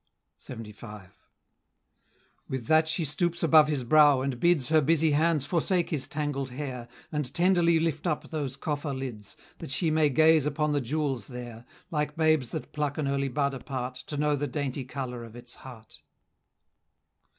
LXXV. With that she stoops above his brow, and bids Her busy hands forsake his tangled hair, And tenderly lift up those coffer lids, That she may gaze upon the jewels there, Like babes that pluck an early bud apart, To know the dainty color of its heart.